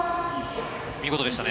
見事でしたね。